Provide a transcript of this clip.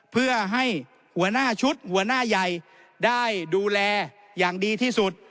เพื่อให้หัวหน้าชุดหัวหน้าใหญ่ได้ดูแลอย่างดีที่สุด